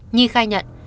nhi khai nhận